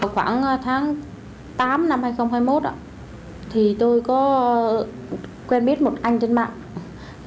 khoảng tháng tám năm hai nghìn hai mươi một thì tôi có quen biết một anh trên mạng